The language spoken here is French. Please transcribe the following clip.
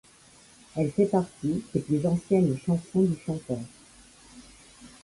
Elle fait partie des plus anciennes chansons du chanteur.